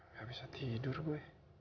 gak bisa tidur gue